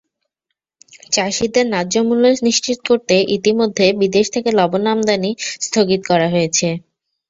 চাষিদের ন্যায্যমূল্য নিশ্চিত করতে ইতিমধ্যে বিদেশ থেকে লবণ আমদানি স্থগিত করা হয়েছে।